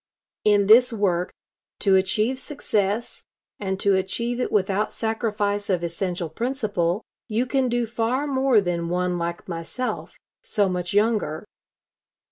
In this work, to achieve success, and to achieve it without sacrifice of essential principle, you can do far more than one like myself, so much younger.